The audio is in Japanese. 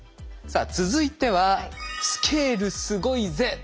さあ続いては「スケールすごいぜ」